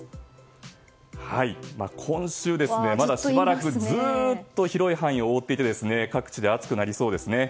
今週、まだしばらくずっと広い範囲を覆っていて各地で暑くなりそうですね。